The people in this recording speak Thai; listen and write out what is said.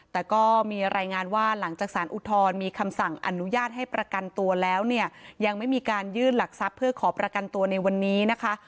แต่ก็มีรายงานว่าหลังจากสารอุทธรณ์มีคำสั่งอนุญาตให้ประกันตัวแล้วเนี่ยยังไม่มีการยื่นหลักทรัพย์เพื่อขอประกันตัวในวันนี้นะคะ